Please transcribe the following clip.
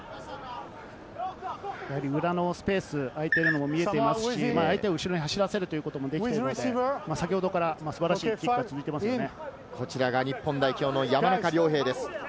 裏のスペース、相手も見えていますし、相手を後ろに走らせるということもできるので、先ほどから素晴らしいキックが続いていますね。